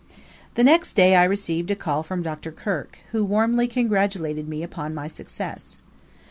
The next day I received a call from Dr. Kirk, who warmly congratulated me upon my success.